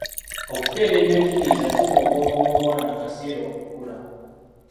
Okukeera ebyenjigiriza kiwa obwongo bw'omwana akaseera okukula.